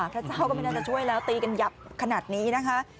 พระเจ้าก็ไม่น่าจะช่วยแล้วตีกันหยับขนาดนี้นะคะ